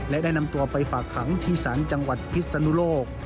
และได้นำตัวไปฝากขังที่ศาลจังหวัดพิศนุโลก